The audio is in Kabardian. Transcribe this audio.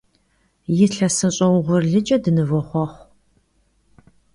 Yilhesış'e vuğurlıç'e dınıvoxhuexhu!